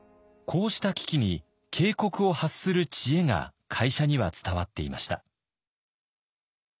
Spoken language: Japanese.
こうした危機に警告を発する知恵が会社には伝わっていました。